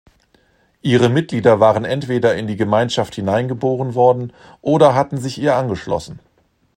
Ihre Mitglieder waren entweder in die Gemeinschaft hineingeboren worden oder hatten sich ihr angeschlossen.